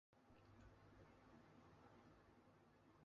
是汪精卫政权中在南京受审的第一个人。